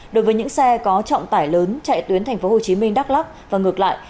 đối với những xe có trọng tải lớn chạy tuyến thành phố hồ chí minh đắk lắc và ngược lại